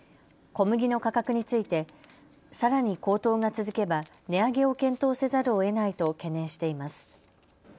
小麦の価格についてさらに高騰が続けば値上げを検討せざるをえないと懸念しています。